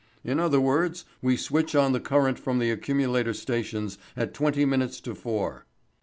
"In other words, we switch on the current from the accumulator stations at twenty minutes to four."